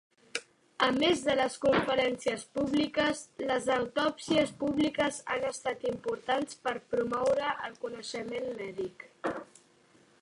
A més de les conferències públiques, les autòpsies públiques han estat importants per promoure el coneixement mèdic.